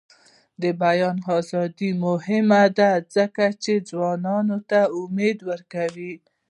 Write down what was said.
د بیان ازادي مهمه ده ځکه چې ځوانانو ته امید ورکوي.